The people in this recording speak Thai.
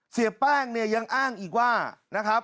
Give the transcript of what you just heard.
เสียแป้งเนี่ยยังอ้างอีกว่านะครับ